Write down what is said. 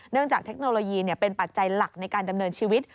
จากเทคโนโลยีเป็นปัจจัยหลักในการดำเนินชีวิต